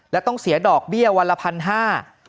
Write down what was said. และต้องเสียดอกเบี้ยวันละพันห้า